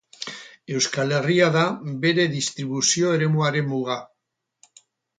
Euskal Herria da bere distribuzio-eremuaren muga.